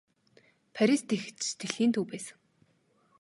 Парис тэгэхэд ч дэлхийн төв байсан.